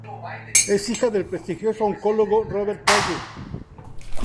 Es hija del prestigioso oncólogo Robert Calle.